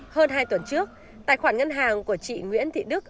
hơn hai tuần trước tài khoản ngân hàng của chị nguyễn thị đức